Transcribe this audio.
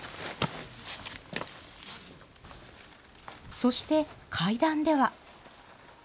そして、階段では。